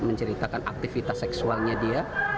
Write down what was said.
menceritakan aktivitas seksualnya dia